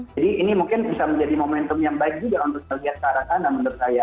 ini mungkin bisa menjadi momentum yang baik juga untuk melihat ke arah sana menurut saya